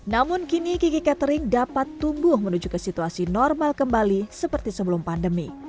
namun kini gigi catering dapat tumbuh menuju ke situasi normal kembali seperti sebelum pandemi